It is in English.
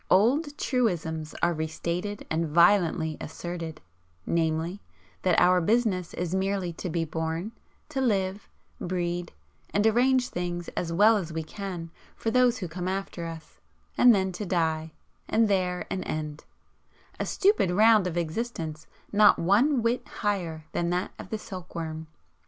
Old truisms are re stated and violently asserted namely, that our business is merely to be born, to live, breed and arrange things as well as we can for those who come after us, and then to die, and there an end, a stupid round of existence not one whit higher than that of the silkworm.